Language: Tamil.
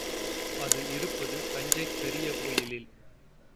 அது இருப்பது தஞ்சைப் பெரிய கோயிலில்.